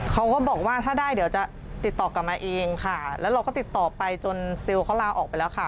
เขาก็บอกว่าถ้าได้เดี๋ยวจะติดต่อกลับมาเองค่ะแล้วเราก็ติดต่อไปจนซิลเขาลาออกไปแล้วค่ะ